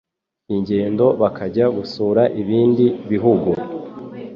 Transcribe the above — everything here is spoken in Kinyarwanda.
ingendo bakajya gusura ibindi bihugu,